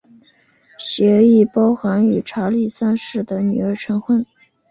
协议包含与查理三世的女儿成婚。